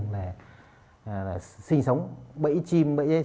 là sinh sống bẫy chim bẫy sống trên rừng